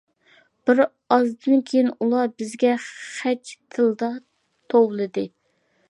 بىرئازدىن كېيىن ئۇلار بىزگە خەج تىلىدا توۋلىدى.